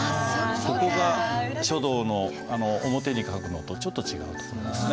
そこが書道の表に書くのとちょっと違うところですね。